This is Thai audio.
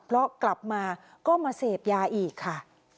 เพราะกลับมาก็มาเสพยาอีกค่ะ